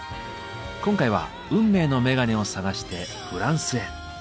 今回は運命のメガネを探してフランスへ。